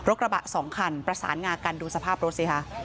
กระบะสองคันประสานงากันดูสภาพรถสิคะ